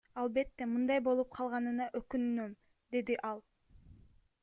Албетте, мындай болуп калганына өкүнөм, — деди ал.